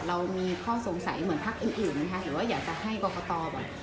เรามีข้อสงสัยเหมือนพักอื่นอื่นไหมคะหรือว่าอยากจะให้กรกตแบบ